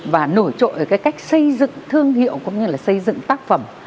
và nổi trội ở cái cách xây dựng thương hiệu cũng như là xây dựng tác phẩm